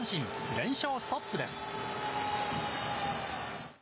連勝ストップです。